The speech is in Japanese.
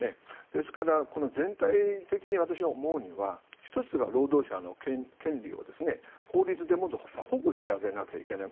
ですから、全体的に私が思うのは１つは労働者の権利を法律でもっと保護してあげないといけない。